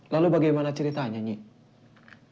lalu bagaimana ceritanya nyik